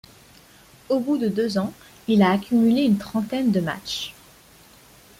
Au bout de deux ans, il a accumulé une trentaine de matchs.